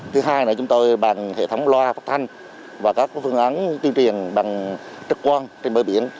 thứ hai là chúng tôi bằng hệ thống loa phát thanh và các phương án tiên triển bằng trực quan trên bờ biển